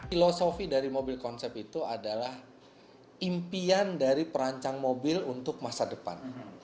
filosofi dari mobil konsep itu adalah impian dari perancang mobil untuk masa depan